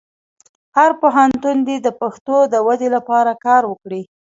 هر پښتون دې د پښتو د ودې لپاره کار وکړي.